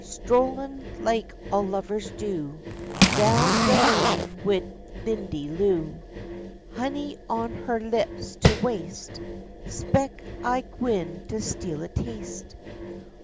Strollin', like all lovers do, Down de lane wid Lindy Lou; Honey on her lips to waste; 'Speck I'm gwine to steal a taste.